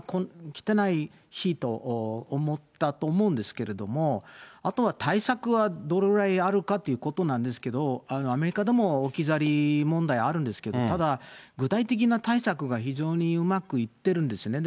来てない日と思ったと思うんですけれども、あとは対策はどれぐらいあるかということなんですけど、アメリカでも置き去り問題あるんですけど、ただ、具体的な対策が非常にうまくいってるんですね。